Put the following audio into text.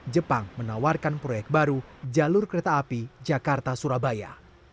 jepang menawarkan proyek baru jalur kereta api jakarta surabaya